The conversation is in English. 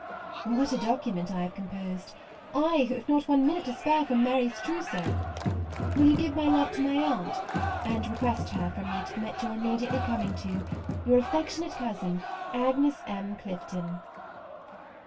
What a document I have com posed; I, who have not one minute to spare from Mary's trousseau. Will you give my love to my aunt, and request her from me to permit your immediately coming to Your affectionate cousin, AGNES M. CLIFTON.